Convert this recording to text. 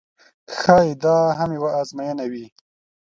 ښایي دا هم یوه آزموینه وي.